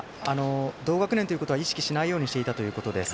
同学年ということは意識しないようにしていたと話しています。